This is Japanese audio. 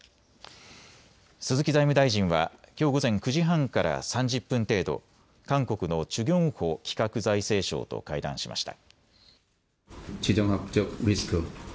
鈴木財務大臣はきょう午前９時半から３０分程度、韓国のチュ・ギョンホ企画財政相と会談しました。